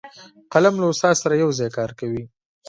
قلم له استاد سره یو ځای کار کوي